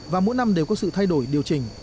và mỗi năm đều có sự thay đổi điều chỉnh